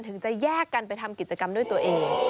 ถึงจะแยกกันไปทำกิจกรรมด้วยตัวเอง